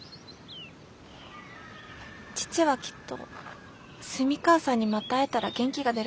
父はきっと澄川さんにまた会えたら元気が出ると思うんです。